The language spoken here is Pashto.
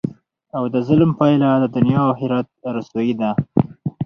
او دظلم پایله د دنیا او اخرت رسوايي ده،